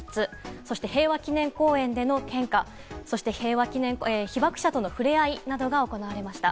そして平和記念公園での献花、そして被爆者との触れ合いなどが行われました。